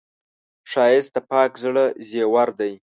ښایست د پاک زړه زیور دی